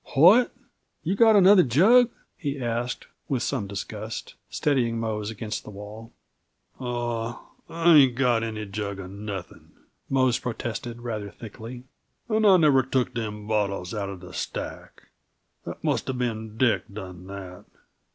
"What? You got another jug?" he asked, with some disgust, steadying Mose against the wall. "Ah I ain't got any jug uh nothin'," Mose protested, rather thickly. "And I never took them bottles outa the stack; that musta been Dick done that.